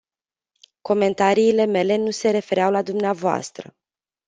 Comentariile mele nu se refereau la dvs.